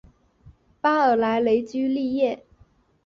巴尔莱雷居利耶。